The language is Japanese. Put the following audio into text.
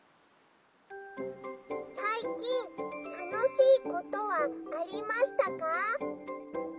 「さいきんたのしいことはありましたか？」。